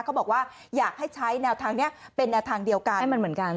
เขาบอกว่าอยากให้ใช้แนวทางนี้เป็นแนวทางเดียวกัน